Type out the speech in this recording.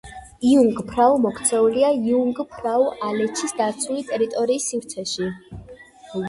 იუნგფრაუ მოქცეულია იუნგფრაუ-ალეჩის დაცული ტერიტორიის სივრცეში.